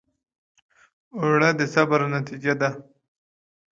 اوړه د صبر نتیجه ده